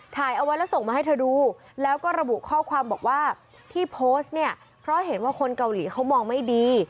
ถ่ายเอาไว้แล้วส่งมาให้เธอดูแล้วก็ระบุข้อความบอกว่าที่โพสต์เนี่ยเพราะเห็นว่าคนเกาหลีเขามองไม่ดี